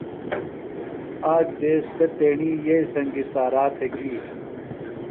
آک دیس سےۡ تیݨیۡیئیئۡی سنگیۡ سارا تھےۡ گی۔